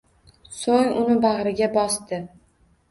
So‘ng uni bag‘riga bosdi.